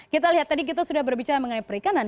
kita lihat tadi kita sudah berbicara mengenai perikanan